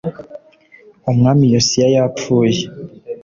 umwami yosiya yapfuye